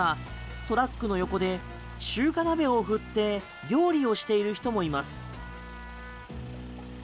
トラックの横で中華鍋を振って料理をしている人もいます。